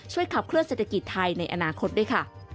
ขับเคลื่อเศรษฐกิจไทยในอนาคตด้วยค่ะ